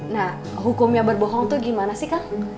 nah hukumnya berbohong itu gimana sih kang